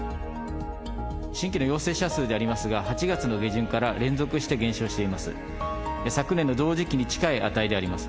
新規の陽性者数でありますが、８月の下旬から連続して減少しています。